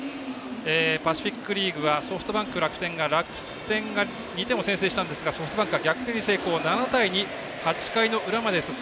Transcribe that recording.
パシフィック・リーグはソフトバンク、楽天は楽天が２点を先制したんですがソフトバンクは逆転に成功。